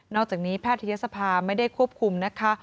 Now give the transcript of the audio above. อกจากนี้แพทยศภาไม่ได้ควบคุมนะคะ